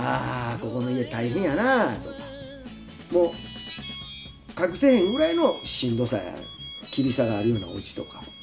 ここの家大変やなとかもう隠せへんぐらいのしんどさや厳しさがあるようなおうちとか。